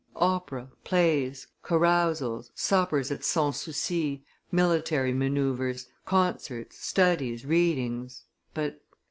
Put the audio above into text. . Opera, plays, carousals, suppers at Sans Souci, military manoeuvres, concerts, studies, readings .. but